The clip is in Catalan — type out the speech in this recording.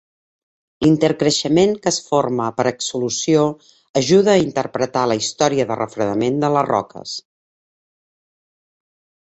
L'intercreixement que es forma per exsolució ajuda a interpretar la història de refredament de les roques.